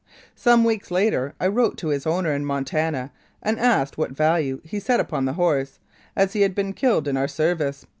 Some weeks later I wrote to his owner in Montana, and asked what value he set upon the horse, as he had been killed in our service.